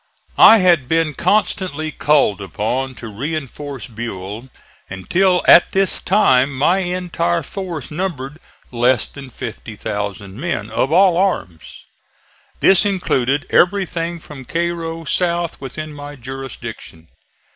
I had been constantly called upon to reinforce Buell until at this time my entire force numbered less than 50,000 men, of all arms. This included everything from Cairo south within my jurisdiction.